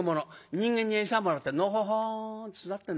人間に餌もらってのほほんと育ってんだ。